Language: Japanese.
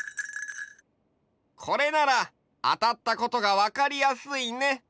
これならあたったことが分かりやすいね！